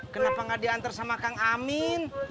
kenapa gak diantar sama kang amin